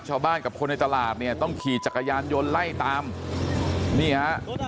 ชาวบ้านกับคนในตลาดเนี่ยต้องขี่จักรยานยนต์ไล่ตามนี่ฮะ